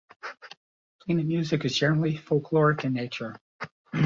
Plena music is generally folkloric in nature.